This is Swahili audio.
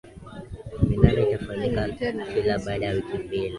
minada itafanyika kila baada ya wiki mbili